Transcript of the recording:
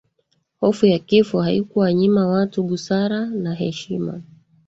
hofu ya kifo haikuwanyima watu busara na heshima